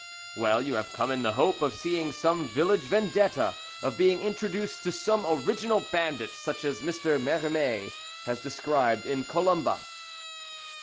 Well, you have come in the hope of seeing some village Vendetta, of being introduced to some original bandit, such as Mr. Merimée has described in 'Columba.'"